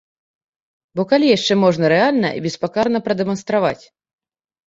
Бо калі яе яшчэ можна рэальна і беспакарана прадэманстраваць?